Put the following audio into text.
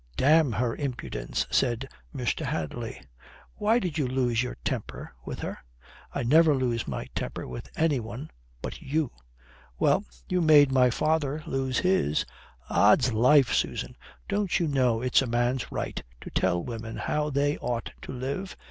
"Damn her impudence," said Mr. Hadley. "Why did you lose your temper with her?" "I never lose my temper with any one but you." "Well. You made my father lose his." "Ods life, Susan, don't you know it's a man's right to tell women how they ought to live?